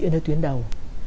ở nơi tuyến đầu